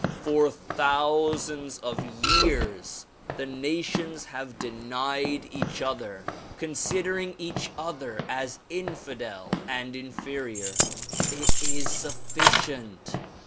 For thousands of years the na tions have denied each other, considering each other as infidel and inferior. It is sufficient.